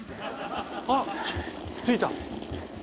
あっついた。